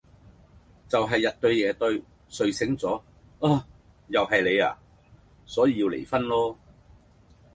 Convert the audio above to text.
就係日對夜對，睡醒咗：啊?又係你啊?所以要離婚囉。